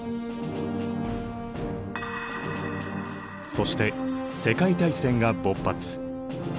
そして世界大戦が勃発。